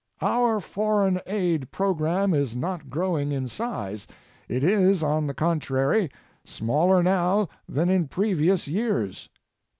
Our foreign aid program is not growing in size, it is, on the contrary, smaller now than in previous years.